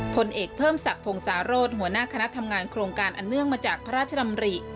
พลเอกเพิ่มศักดิ์พงศาโรธหัวหน้าคณะทำงานโครงการอันเนื่องมาจากพระราชดำริ